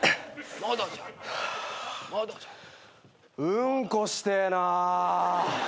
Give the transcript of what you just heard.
うんこしてえな。